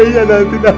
tidak nanti aku